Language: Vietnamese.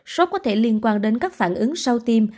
sốt có thể liên quan đến các phản ứng sau tiêm